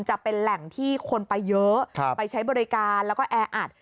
จะเป็นแหล่งที่คนไปเยอะไปใช้บริการแล้วก็แออัด